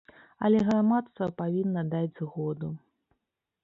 Але грамадства павінна даць згоду.